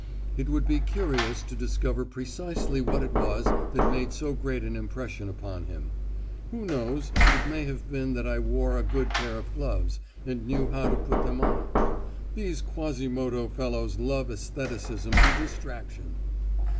It would be curious to discover precisely what it was that made so great an impression upon him. Who knows, it may have been that I wore a good pair of gloves, and knew how to put them on. These quasimodo fellows love æstheticism to distraction!